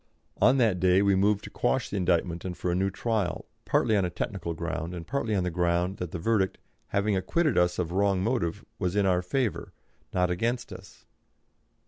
On that day we moved to quash the indictment and for a new trial, partly on a technical ground and partly on the ground that the verdict, having acquitted us of wrong motive, was in our favour, not against us.